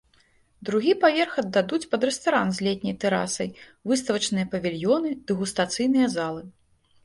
Другі паверх аддадуць пад рэстаран з летняй тэрасай, выставачныя павільёны, дэгустацыйныя залы.